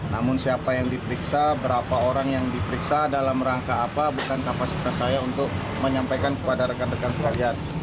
namun siapa yang diperiksa berapa orang yang diperiksa dalam rangka apa bukan kapasitas saya untuk menyampaikan kepada rekan rekan sekalian